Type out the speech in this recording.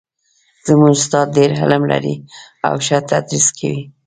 زموږ استاد ډېر علم لري او ښه تدریس کوي